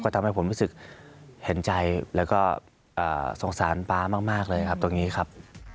ทำให้ผมรู้สึกเห็นใจแล้วก็สงสารป๊ามากเลยครับตรงนี้ครับ